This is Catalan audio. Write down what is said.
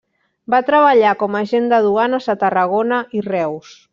Va treballar com a agent de duanes a Tarragona i Reus.